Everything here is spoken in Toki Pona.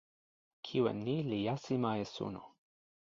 kiwen ni li jasima e suno.